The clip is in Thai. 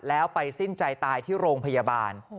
แล้วไปสิ้นใจตายที่โรงพยาบาล